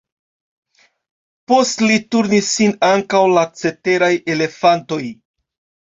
Post li turnis sin ankaŭ la ceteraj elefantoj.